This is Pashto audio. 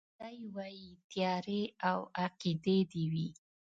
دی وايي تيارې او عقيدې دي وي